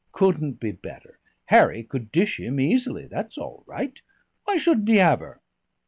Couldn't be better. Harry could dish him easily. That's all right. Why shouldn't he have her?"